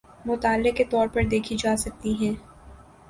مطالعے کے طور پہ دیکھی جا سکتی ہیں۔